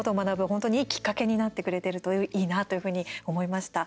本当にいいきっかけになってくれてるといいなというふうに思いました。